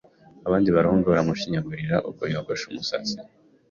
Abandi bahungu baramushinyagurira ubwo yogosha umusatsi.